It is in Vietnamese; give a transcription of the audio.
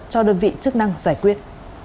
cho đơn vị chức năng giải quyết